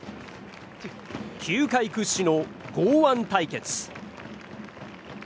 球界屈指の剛腕対決。